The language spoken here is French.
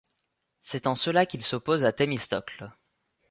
C'est en cela qu'il s'oppose à Thémistocle.